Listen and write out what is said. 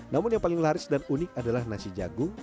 namun yang paling laris dan unik adalah nasi jagung